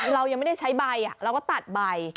เรายังไม่ได้ใช้ใบเราก็ตัดใบ